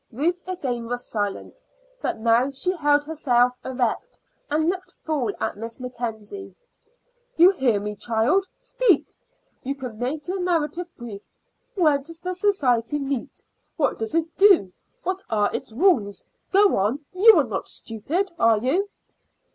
Ruth again was silent, but now she held herself erect and looked full at Miss Mackenzie. "You hear me, child. Speak. You can make your narrative brief. Where does the society meet? What does it do? What are its rules? Go on; you are not stupid, are you?"